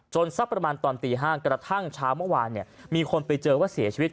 สักประมาณตอนตี๕กระทั่งเช้าเมื่อวานมีคนไปเจอว่าเสียชีวิต